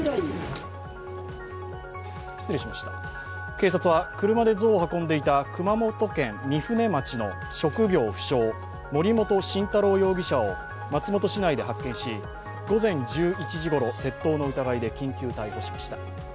警察は車で像を運んでいた熊本県御船町の職業不詳森本晋太郎容疑者を松本市内で発見し午前１１時ごろ、窃盗の疑いで緊急逮捕しました。